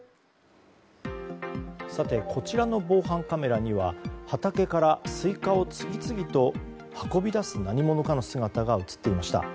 さて、こちらの防犯カメラには畑からスイカを次々と運び出す何者かの姿が映っていました。